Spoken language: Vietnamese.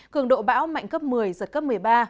cường độ bão mạnh cấp một mươi giật cấp một mươi ba